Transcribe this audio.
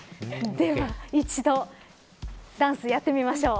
では一度ダンスやってみましょう。